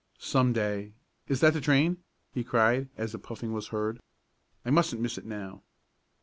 Some day is that the train?" he cried, as a puffing was heard. "I mustn't miss it now."